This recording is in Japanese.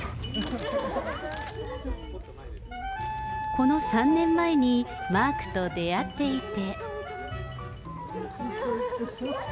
この３年前にマークと出会っていて。